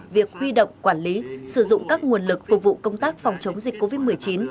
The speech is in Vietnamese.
việc huy động quản lý sử dụng các nguồn lực phục vụ công tác phòng chống dịch covid một mươi chín